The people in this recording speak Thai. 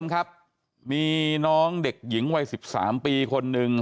ครับมีน้องเด็กหญิงวัย๑๓ปีคนหนึ่ง